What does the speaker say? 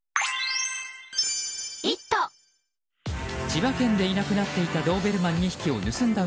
千葉県でいなくなっていたドーベルマン２匹を盗んだ